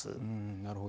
なるほど。